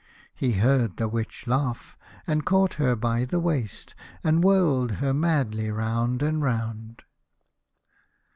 He heard the Witch laugh, and caught her by the waist, and whirled her madly round and round.